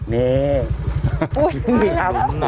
นี่ครับ